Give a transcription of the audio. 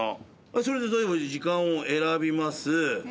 それで例えば時間を選びます。